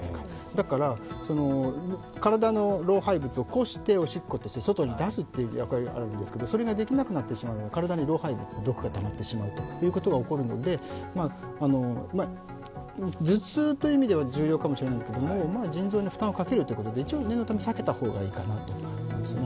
だから体の老廃物をこして、おしっことして外に出すっていう役割があるんですけれども、それができなくなってしまうので体の老廃物毒素となってしまうということが起こるので頭痛という意味では重要かもしれませんが、腎臓に負担をかけるということで一応、念のため避けた方がいいと思いますね。